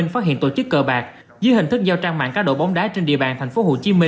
phát hiện tổ chức cờ bạc dưới hình thức giao trang mạng cá độ bóng đá trên địa bàn tp hcm